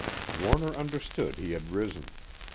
Warner understood he had risen.